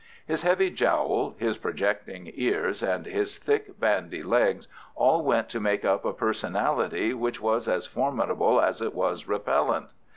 His heavy jowl, his projecting ears, and his thick bandy legs all went to make up a personality which was as formidable as it was repellent.